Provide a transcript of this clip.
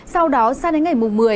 sau đó sang đến ngày mùng một mươi